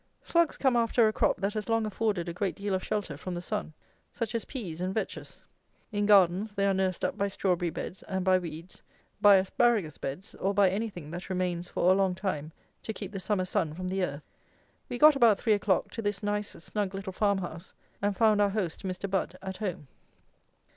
Slugs come after a crop that has long afforded a great deal of shelter from the sun; such as peas and vetches. In gardens they are nursed up by strawberry beds and by weeds, by asparagus beds, or by anything that remains for a long time to keep the summer sun from the earth. We got about three o'clock to this nice, snug little farmhouse, and found our host, Mr. Budd, at home.